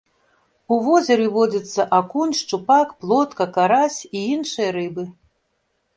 У возеры водзяцца акунь, шчупак, плотка, карась і іншыя рыбы.